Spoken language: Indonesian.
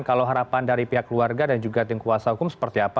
kalau harapan dari pihak keluarga dan juga tim kuasa hukum seperti apa